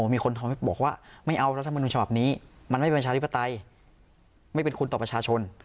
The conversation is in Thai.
มีคนบอกว่าไม่เอารัฐมนุนฉบับนี้มันไม่ประชาธิปไตยไม่เป็นคุณต่อประชาชน